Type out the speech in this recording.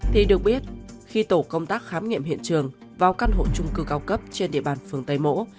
thì được biết khi tổ công tác khám nghiệm hiện trường vào căn hộ trung cư cao cấp trên địa bàn phường tây mỗ